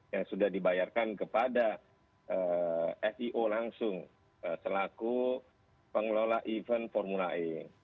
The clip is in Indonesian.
yang sudah dibayarkan kepada fio langsung selaku pengelola event formula e